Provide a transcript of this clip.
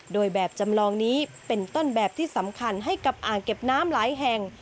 โดยแบบจำลองนี้เป็นต้นแบบที่สำคัญให้กับอ่างเก็บน้ำหลายแห่ง